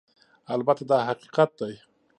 البته دا حقیقت دی